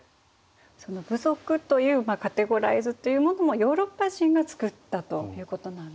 その部族というカテゴライズというものもヨーロッパ人が作ったということなんですね。